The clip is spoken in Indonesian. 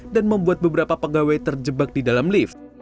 dan membuat beberapa pegawai terjebak di dalam lift